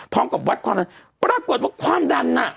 พร้อมกับวัดความดันปรากฏว่าความดันน่ะ